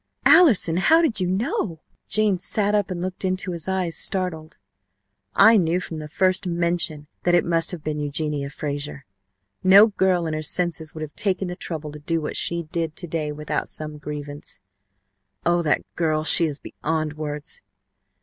"Allison! How did you know?" Jane sat up and looked into his eyes, startled. "I knew from the first mention that it must have been Eugenia Frazer. No girl in her senses would have taken the trouble to do what she did to day without some grievance ! Oh, that girl! She is beyond words!